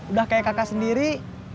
udah kayak kakak sendiri